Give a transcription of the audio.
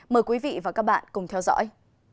mời quý vị và các bạn cùng theo dõi